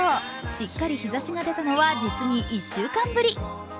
しっかり日ざしが出たのは、実に１週間ぶり